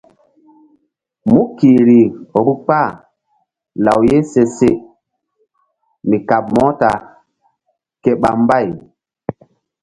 Mu kihri vbu kpah law ye se se mi kaɓ muta ke ɓa mbay.